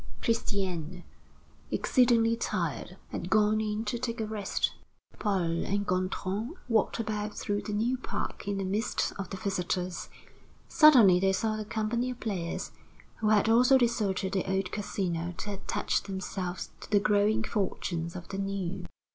Christiane, exceedingly tired, had gone in to take a rest. Paul and Gontran walked about through the new park in the midst of the visitors. Suddenly they saw the company of players, who had also deserted the old Casino, to attach themselves to the growing fortunes of the new.